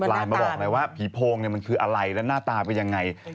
ไลน์มาบอกเลยว่าผีโพงมันคืออะไรและหน้าตาเป็นยังไง